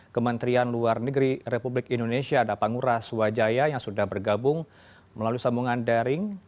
kementerian luar negeri republik indonesia ada pangura swajaya yang sudah bergabung melalui sambungan daring